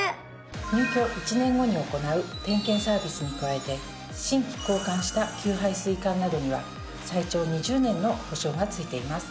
入居１年後に行う点検サービスに加えて新規交換した給排水管などには最長２０年の保証が付いています。